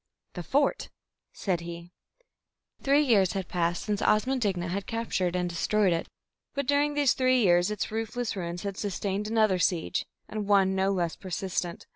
"The fort," said he. Three years had passed since Osman Digna had captured and destroyed it, but during these three years its roofless ruins had sustained another siege, and one no less persistent.